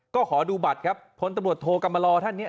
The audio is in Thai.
ก็ขอดูบัตรครับพลตำรวจโทกรรมลอท่านเนี่ย